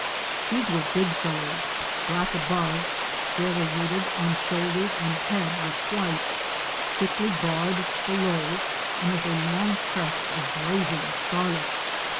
These were big fel JUNGLE LIFE AT AREMU. 313 lows, black above, variegated on shoulders and head with white; thickly barred below and with a long crest of blazing scarlet.